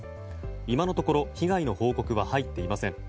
今のところ被害の報告は入っていません。